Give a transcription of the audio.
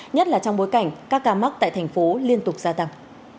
nhất là trong bối cảnh các ca mắc tại thành phố liên tục gia tăng